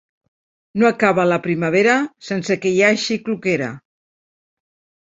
No acaba la primavera sense que hi hagi cloquera.